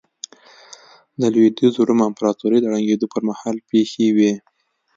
د لوېدیځ روم امپراتورۍ د ړنګېدو پرمهال پېښې وې